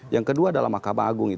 yang kedua adalah mahkamah agung itu